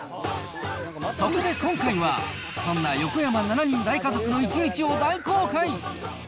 そこで今回は、そんな横山７人大家族の一日を大公開。